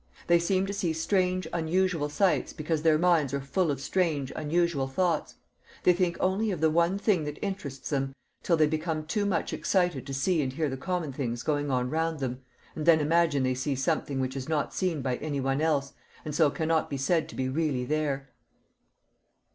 They seem to see strange unusual sights because their minds are full of strange unusual thoughts ; they think only of the one thing that interests them till they become too much excited to see and hear the common things going on round them, and then imagine they see something which is not seen by any one else, and so cannot be said to be really there.